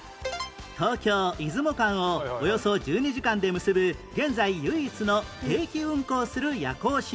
東京出雲間をおよそ１２時間で結ぶ現在唯一の定期運行する夜行寝台列車